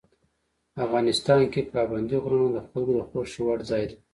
افغانستان کې پابندی غرونه د خلکو د خوښې وړ ځای دی.